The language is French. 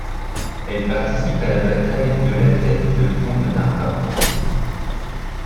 Elle participe à la bataille de la tête de pont de Narva.